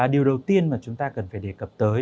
điều đầu tiên mà chúng ta cần phải đề cập tới